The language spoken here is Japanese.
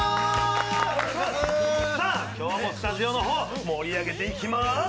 さぁ、今日もスタジオの方、盛り上げていきま